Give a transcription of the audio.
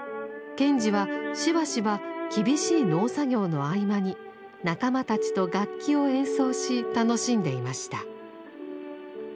賢治はしばしば厳しい農作業の合間に仲間たちと楽器を演奏し楽しんでいました。